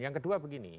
yang kedua begini